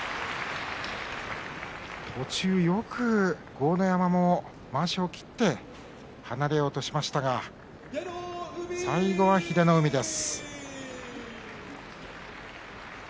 途中よく豪ノ山もまわしを切って離れようとしましたが最後は英乃海です。